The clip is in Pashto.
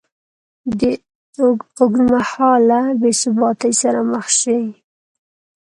ه اوږدمهاله بېثباتۍ سره مخ شي